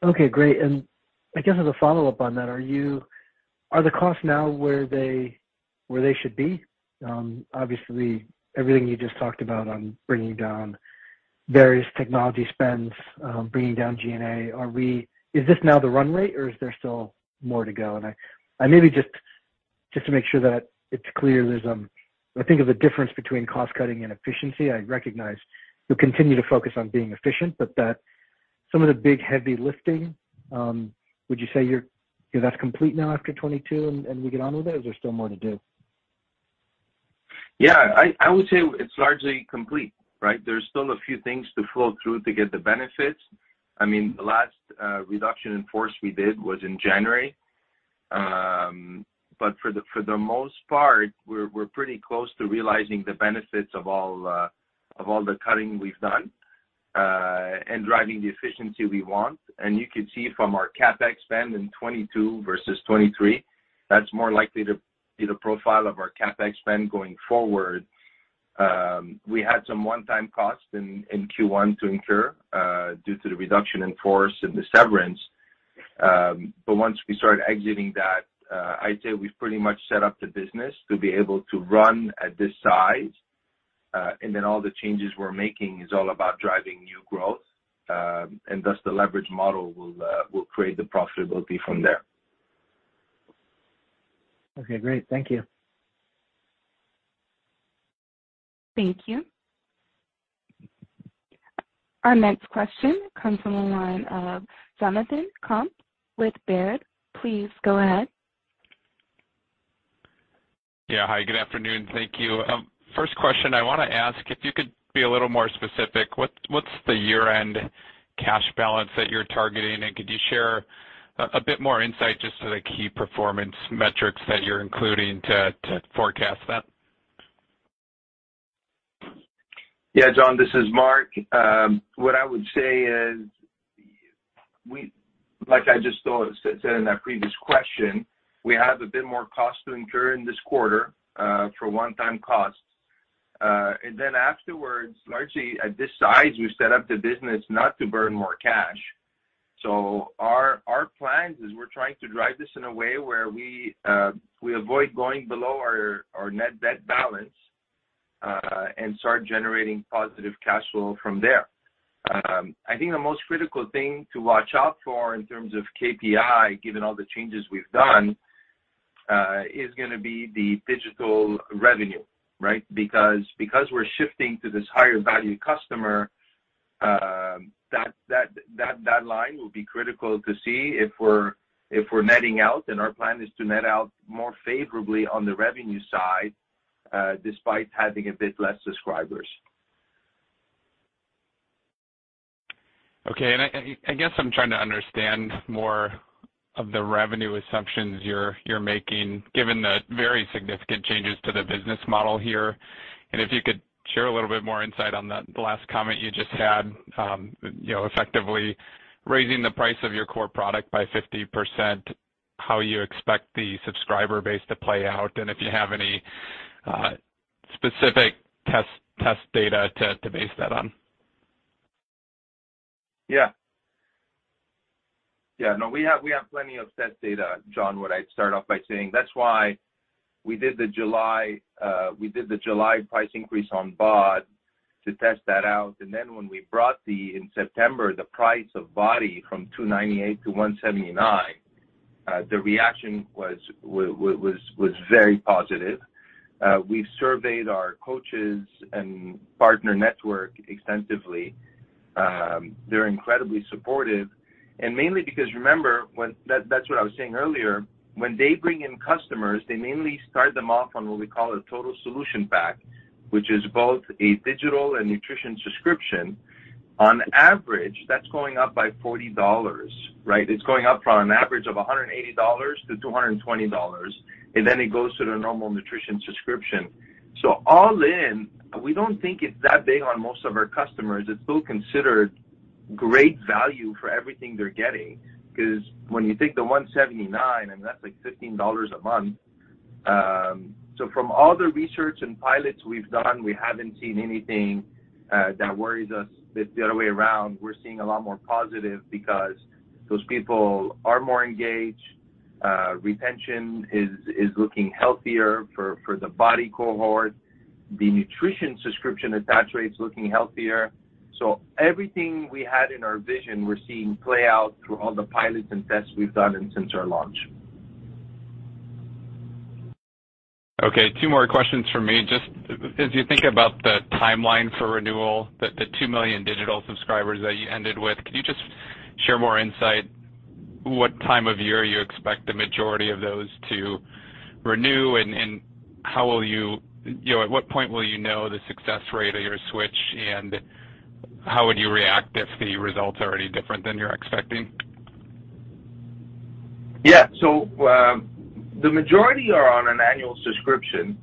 Okay, great. I guess as a follow-up on that, are the costs now where they should be? Obviously, everything you just talked about on bringing down various technology spends, bringing down G&A, is this now the run rate or is there still more to go? I maybe just to make sure that it's clear, there's I think of a difference between cost-cutting and efficiency. I recognize you continue to focus on being efficient, but that some of the big heavy lifting, would you say that's complete now after 2022 and we get on with it, or is there still more to do? I would say it's largely complete, right? There's still a few things to flow through to get the benefits. I mean, the last reduction in force we did was in January. For the most part, we're pretty close to realizing the benefits of all the cutting we've done and driving the efficiency we want. You could see from our CapEx spend in 2022 versus 2023, that's more likely to be the profile of our CapEx spend going forward. We had some one-time costs in Q1 to incur due to the reduction in force and the severance. Once we start exiting that, I'd say we've pretty much set up the business to be able to run at this size. All the changes we're making is all about driving new growth. The leverage model will create the profitability from there. Okay, great. Thank you. Thank you. Our next question comes from the line of Jonathan Komp with Baird. Please go ahead. Yeah. Hi, good afternoon. Thank you. First question I wanna ask, if you could be a little more specific, what's the year-end cash balance that you're targeting? Could you share a bit more insight just to the key performance metrics that you're including to forecast that? Yeah, John, this is Marc. What I would say is we like I just said in that previous question, we have a bit more cost to incur in this quarter for one-time costs. Then afterwards, largely at this size, we set up the business not to burn more cash. Our plan is we're trying to drive this in a way where we avoid going below our net debt balance and start generating positive cash flow from there. I think the most critical thing to watch out for in terms of KPI, given all the changes we've done, is gonna be the digital revenue, right? Because we're shifting to this higher value customer, that line will be critical to see if we're netting out, and our plan is to net out more favorably on the revenue side, despite having a bit less subscribers. Okay. I guess I'm trying to understand more of the revenue assumptions you're making, given the very significant changes to the business model here. If you could share a little bit more insight on the last comment you just had, you know, effectively raising the price of your core product by 50%, how you expect the subscriber base to play out, and if you have any specific test data to base that on. Yeah. Yeah, no, we have plenty of test data, John. What I'd start off by saying, that's why we did the July, we did the July price increase on BOD to test that out. When we brought the, in September, the price of BODi from $298-$179, the reaction was very positive. We surveyed our coaches and partner network extensively. They're incredibly supportive. Mainly because that's what I was saying earlier. When they bring in customers, they mainly start them off on what we call a Total-Solution Pack, which is both a digital and nutrition subscription. On average, that's going up by $40, right? It's going up from an average of $180-$220, then it goes to the normal nutrition subscription. All in, we don't think it's that big on most of our customers. It's still considered great value for everything they're getting 'cause when you take the $179, and that's like $15 a month. From all the research and pilots we've done, we haven't seen anything that worries us that the other way around, we're seeing a lot more positive because those people are more engaged, retention is looking healthier for the BODi cohort. The nutrition subscription at that rate is looking healthier. Everything we had in our vision, we're seeing play out through all the pilots and tests we've done and since our launch. Okay, two more questions for me. Just as you think about the timeline for renewal, the 2 million digital subscribers that you ended with, can you just share more insight what time of year you expect the majority of those to renew and, you know, at what point will you know the success rate of your switch, and how would you react if the results are any different than you're expecting? Yeah. The majority are on an annual subscription,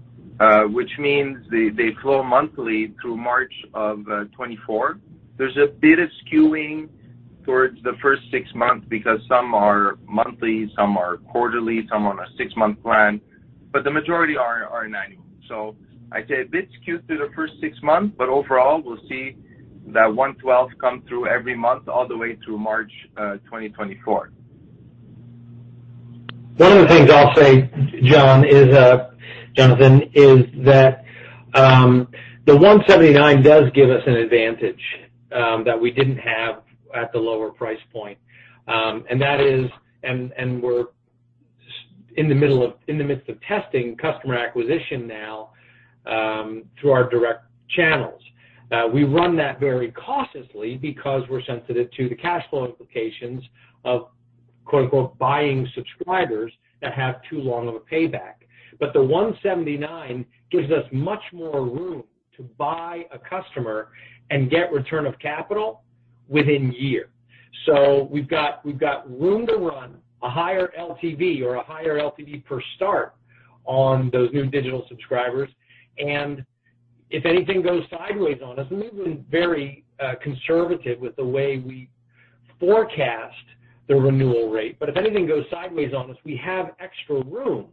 which means they flow monthly through March of 2024. There's a bit of skewing towards the first six months because some are monthly, some are quarterly, some on a six-month plan. The majority are annual. I'd say a bit skewed through the first six months, but overall, we'll see that 1/12 come through every month all the way through March 2024. One of the things I'll say, John, is Jonathan, is that the $179 does give us an advantage that we didn't have at the lower price point. And that is, and we're in the midst of testing customer acquisition now through our direct channels. We run that very cautiously because we're sensitive to the cash flow implications of quote, unquote "buying subscribers" that have too long of a payback. The $179 gives us much more room to buy a customer and get return of capital within year. We've got room to run a higher LTV or a higher LTV per start on those new digital subscribers. If anything goes sideways on us, and we've been very conservative with the way we forecast the renewal rate. If anything goes sideways on us, we have extra room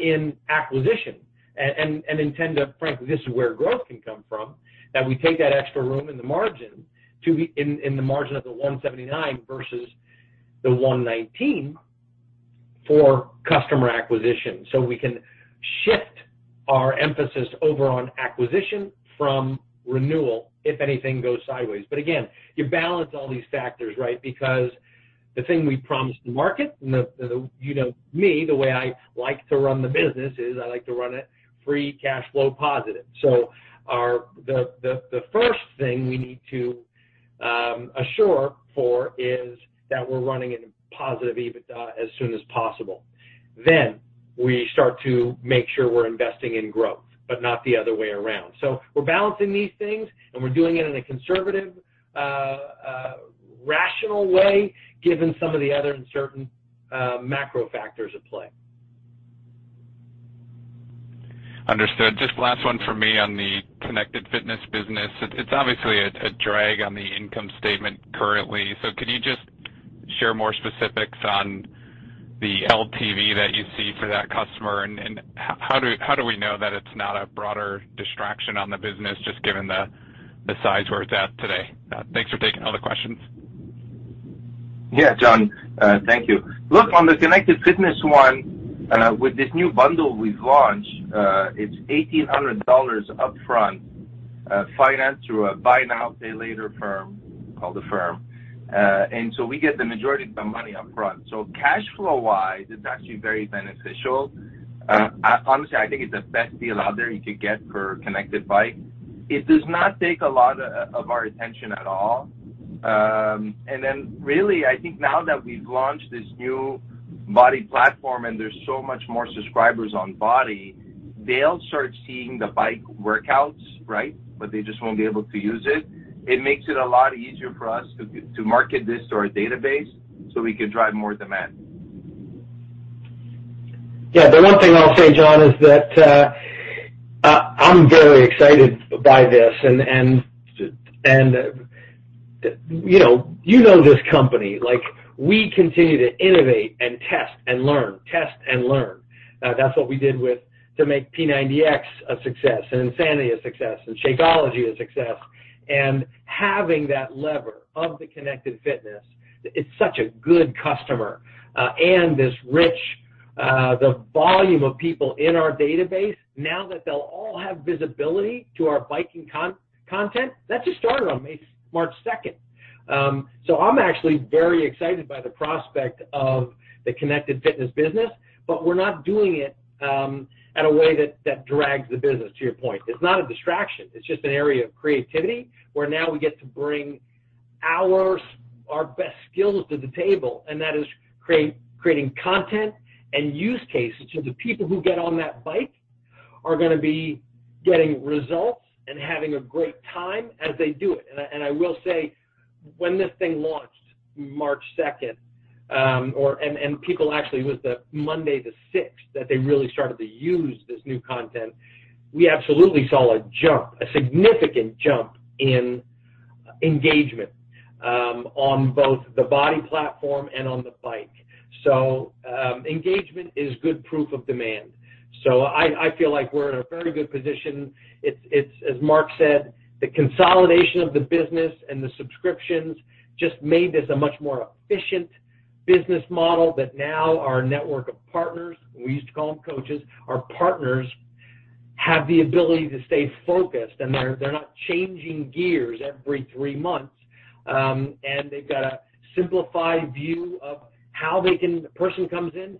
in acquisition and intend to, frankly, this is where growth can come from, that we take that extra room in the margin of the 179 versus the 119 for customer acquisition. We can shift our emphasis over on acquisition from renewal if anything goes sideways. Again, you balance all these factors, right? Because the thing we promised the market and the, you know me, the way I like to run the business is I like to run it free cash flow positive. The first thing we need to assure for is that we're running in a positive EBITDA as soon as possible. We start to make sure we're investing in growth, but not the other way around. We're balancing these things, and we're doing it in a conservative, rational way, given some of the other uncertain macro factors at play. Understood. Just last one for me on the Connected Fitness business. It's obviously a drag on the income statement currently. Can you just share more specifics on the LTV that you see for that customer? And how do we know that it's not a broader distraction on the business just given the size where it's at today? Thanks for taking all the questions. Yeah, John, thank you. On the Connected Fitness one, with this new bundle we've launched, it's $1,800 upfront, financed through a buy now, pay later firm called Affirm. We get the majority of the money upfront. Cash flow-wise, it's actually very beneficial. Honestly, I think it's the best deal out there you could get for Connected Bike. It does not take a lot of our attention at all. Really, I think now that we've launched this new BODi platform and there's so much more subscribers on BODi, they'll start seeing the bike workouts, right? They just won't be able to use it. It makes it a lot easier for us to market this to our database so we can drive more demand. The one thing I'll say, John, is that, I'm very excited by this. You know this company. Like, we continue to innovate and test and learn, test and learn. That's what we did to make P90X a success and Insanity a success and Shakeology a success. Having that lever of the Connected Fitness, it's such a good customer. This rich, the volume of people in our database, now that they'll all have visibility to our biking content, that just started on March second. I'm actually very excited by the prospect of the Connected Fitness business, we're not doing it, at a way that drags the business, to your point. It's not a distraction. It's just an area of creativity, where now we get to bring our best skills to the table, and that is creating content and use cases so the people who get on that bike are gonna be getting results and having a great time as they do it. I will say, when this thing launched March second, and people actually, it was the Monday the sixth that they really started to use this new content. We absolutely saw a jump, a significant jump in engagement, on both the BODi platform and on the bike. Engagement is good proof of demand. I feel like we're in a very good position. It's, as Marc Suidan said, the consolidation of the business and the subscriptions just made this a much more efficient business model that now our network of partners, we used to call them coaches, our partners have the ability to stay focused, and they're not changing gears every three months. They've got a simplified view of how the person comes in,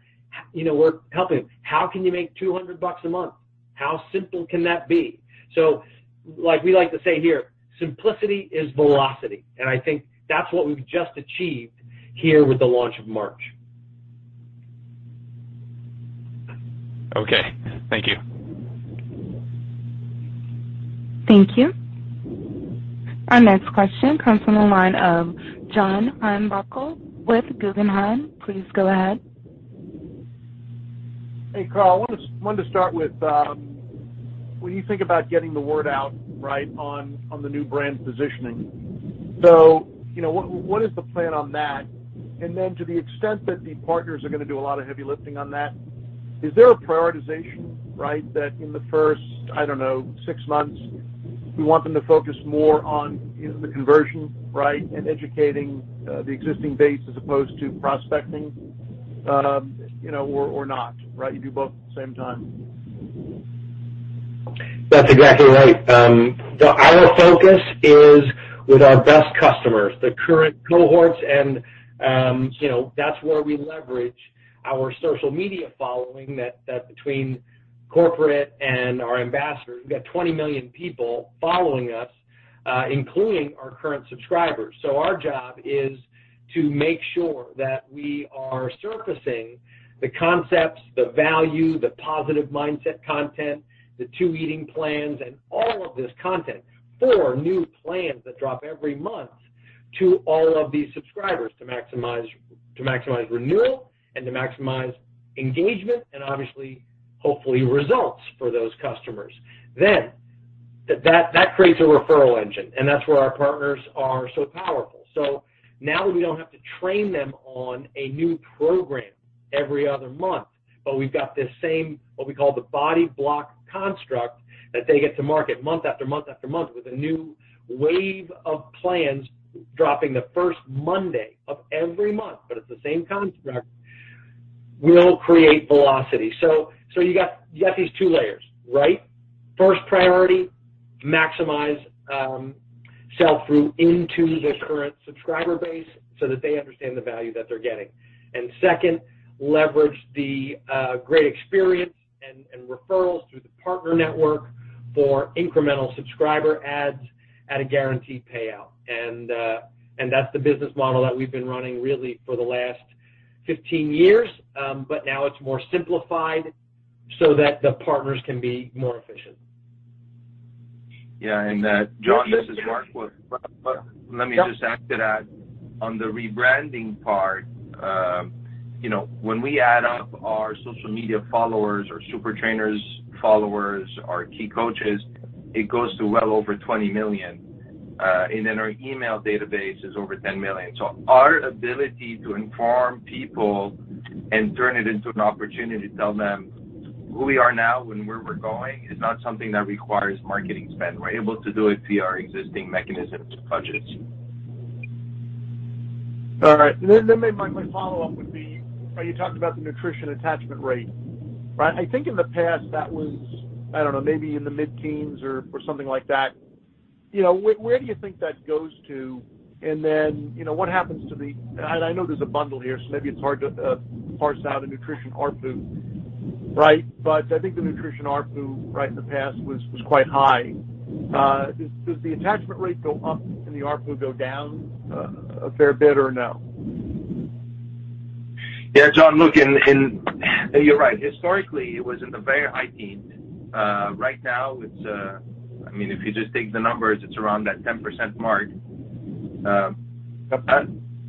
you know, we're helping. How can you make $200 a month? How simple can that be? Like we like to say here, simplicity is velocity, and I think that's what we've just achieved here with the launch of March. Okay. Thank you. Thank you. Our next question comes from the line of John Heinbockel with Guggenheim. Please go ahead. Hey, Carl, I wanted to start with, when you think about getting the word out, right, on the new brand positioning. You know, what is the plan on that? To the extent that the BODi Partners are gonna do a lot of heavy lifting on that, is there a prioritization, right, that in the first, I don't know, six months, we want them to focus more on the conversion, right, and educating the existing base as opposed to prospecting, you know, or not, right? You do both at the same time. That's exactly right. Our focus is with our best customers, the current cohorts and, you know, that's where we leverage our social media following that between corporate and our ambassadors. We got 20 million people following us, including our current subscribers. Our job is to make sure that we are surfacing the concepts, the value, the positive mindset content, the two eating plans, and all of this content, four new plans that drop every month to all of these subscribers to maximize renewal and to maximize engagement and obviously, hopefully, results for those customers. That creates a referral engine, and that's where our partners are so powerful. Now we don't have to train them on a new program every other month. We've got this same, what we call the BODi Block construct, that they get to market month after month after month with a new wave of plans dropping the first Monday of every month. It's the same construct will create velocity. You got these two layers, right. First priority, maximize sell through into the current subscriber base so that they understand the value that they're getting. Second, leverage the great experience and referrals through the partner network for incremental subscriber adds at a guaranteed payout. That's the business model that we've been running really for the last 15 years. Now it's more simplified so that the partners can be more efficient. Yeah. John, this is Marc. Let me just add to that. On the rebranding part, you know, when we add up our social media followers or super trainers followers, our key coaches, it goes to well over 20 million, and then our email database is over 10 million. Our ability to inform people and turn it into an opportunity to tell them who we are now and where we're going is not something that requires marketing spend. We're able to do it via our existing mechanisms and budgets. All right. My follow-up would be, are you talking about the nutrition attachment rate, right? I think in the past that was, I don't know, maybe in the mid-teens or something like that. You know, where do you think that goes to? You know, what happens to the... I know there's a bundle here, so maybe it's hard to parse out a nutrition ARPU, right? I think the nutrition ARPU right in the past was quite high. Does the attachment rate go up and the ARPU go down a fair bit or no? Yeah, John, look, you're right. Historically, it was in the very high teens. Right now it's, I mean, if you just take the numbers, it's around that 10% mark.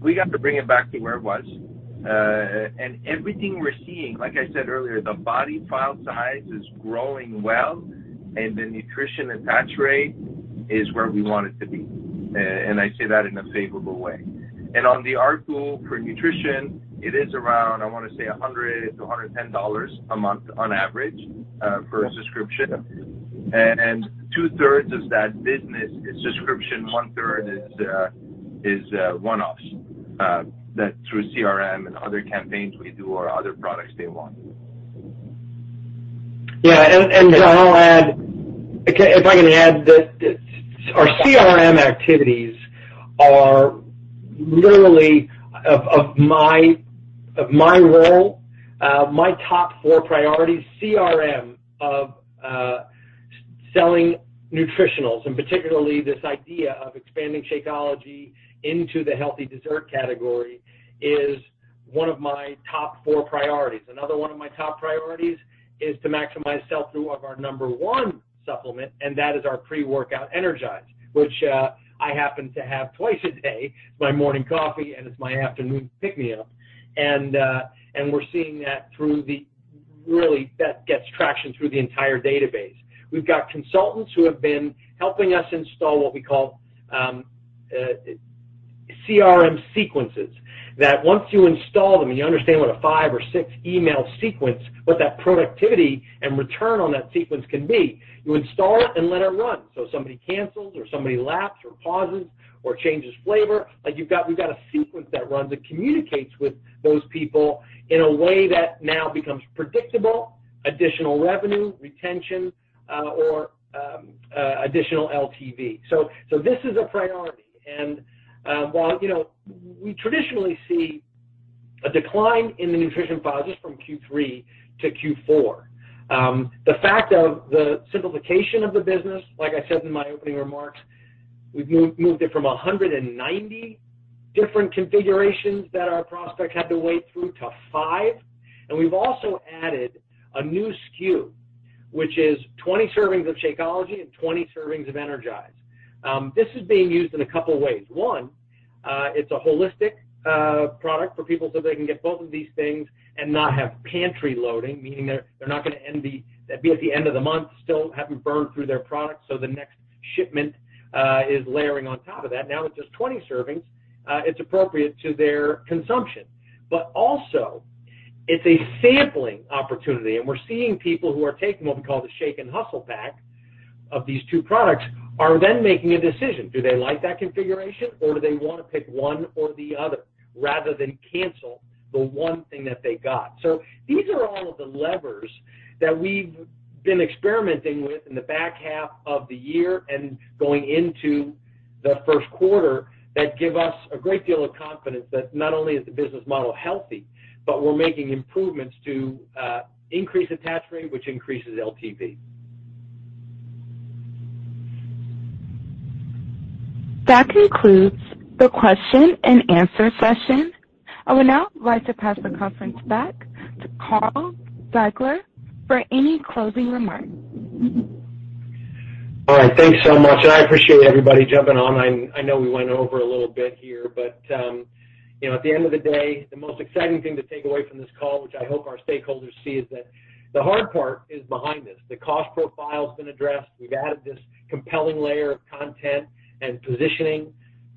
We got to bring it back to where it was. Everything we're seeing, like I said earlier, the BODi file size is growing well and the nutrition attach rate is where we want it to be. I say that in a favorable way. On the ARPU for nutrition, it is around, I wanna say, $100-$110 a month on average per subscription. 2/3 of that business is subscription, 1/3 is one-offs that through CRM and other campaigns we do or other products they want. Yeah. John, I'll add. If I can add, our CRM activities are literally of my role, my top four priorities, CRM of selling nutritionals, and particularly this idea of expanding Shakeology into the healthy dessert category is one of my top four priorities. Another one of my top priorities is to maximize sell-through of our number one supplement, and that is our pre-workout Energize, which I happen to have twice a day, my morning coffee and as my afternoon pick-me-up. We're seeing that through the really, that gets traction through the entire database. We've got consultants who have been helping us install what we call CRM sequences, that once you install them, you understand what a five or six email sequence, what that productivity and return on that sequence can be. You install it and let it run. Somebody cancels or somebody laps or pauses or changes flavor, like we've got a sequence that runs. It communicates with those people in a way that now becomes predictable, additional revenue, retention, or additional LTV. This is a priority. While, you know, we traditionally see a decline in the nutrition file just from Q3 to Q4, the fact of the simplification of the business, like I said in my opening remarks, we've moved it from 190 different configurations that our prospects had to wade through to five. We've also added a new SKU, which is 20 servings of Shakeology and 20 servings of Energize. This is being used in a couple of ways. It's a holistic product for people so they can get both of these things and not have pantry loading, meaning they're not gonna be at the end of the month, still haven't burned through their product, so the next shipment is layering on top of that. Now it's just 20 servings, it's appropriate to their consumption. Also, it's a sampling opportunity, and we're seeing people who are taking what we call the Shake & Hustle pack of these two products are then making a decision. Do they like that configuration or do they wanna pick one or the other rather than cancel the one thing that they got? These are all of the levers that we've been experimenting with in the back half of the year and going into the first quarter that give us a great deal of confidence that not only is the business model healthy, but we're making improvements to increase attach rate, which increases LTV. That concludes the question and answer session. I would now like to pass the conference back to Carl Daikeler for any closing remarks. All right. Thanks so much. I appreciate everybody jumping on. I know we went over a little bit here, but, you know, at the end of the day, the most exciting thing to take away from this call, which I hope our stakeholders see, is that the hard part is behind us. The cost profile's been addressed. We've added this compelling layer of content and positioning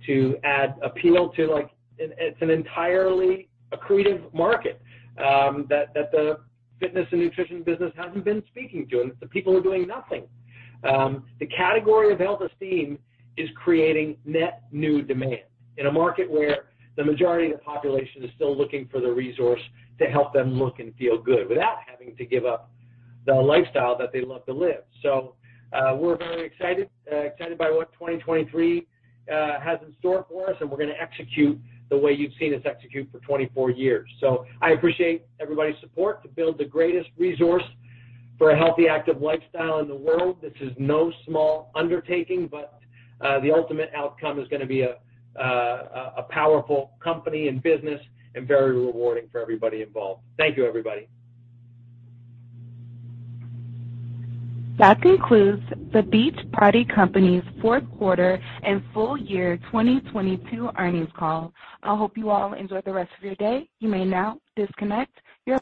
to add appeal to, like. It's an entirely accretive market that the fitness and nutrition business hasn't been speaking to. It's the people who are doing nothing. The category of Health Esteem is creating net new demand in a market where the majority of the population is still looking for the resource to help them look and feel good without having to give up the lifestyle that they love to live. We're very excited by what 2023 has in store for us, and we're gonna execute the way you've seen us execute for 24 years. I appreciate everybody's support to build the greatest resource for a healthy, active lifestyle in the world. This is no small undertaking, but, the ultimate outcome is gonna be a powerful company and business and very rewarding for everybody involved. Thank you, everybody. That concludes The Beachbody Company's fourth quarter and full year 2022 earnings call. I hope you all enjoy the rest of your day. You may now disconnect your phone.